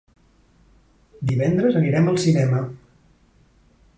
Divendres anirem al cinema.